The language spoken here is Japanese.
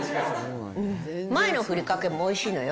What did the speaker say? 前のふりかけもおいしいのよ。